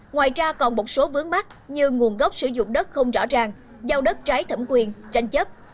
ngoài ra còn một số vướng mắt như nguồn gốc sử dụng đất không rõ ràng giao đất trái thẩm quyền tranh chấp